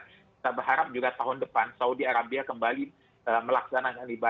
kita berharap juga tahun depan saudi arabia kembali melaksanakan ibadah